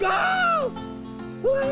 うわ！